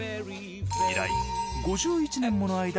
以来５１年ものあいだ